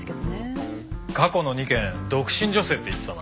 過去の２件独身女性って言ってたな。